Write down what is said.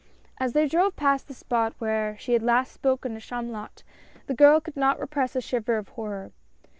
As they drove past the spot where she had last spoken to Chamulot, the girl could not repress a shiver of horror.